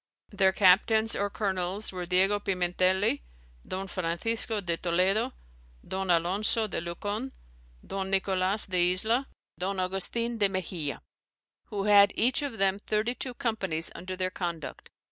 Their captaines or colonels were Diego Pimentelli, Don Francisco de Toledo, Don Alonco de Lucon, Don Nicolas de Isla, Don Augustin de Mexia; who had each of them thirty two companies under their conduct.